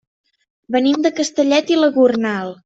Venim de Castellet i la Gornal.